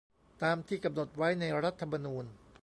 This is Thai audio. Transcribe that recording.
ตามที่กำหนดไว้ในรัฐธรรมนูญ